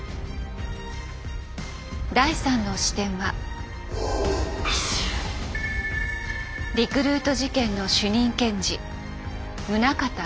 第３の視点はリクルート事件の主任検事宗像紀夫。